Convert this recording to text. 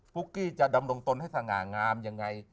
ุ๊กกี้จะดำรงตนให้สง่างามยังไง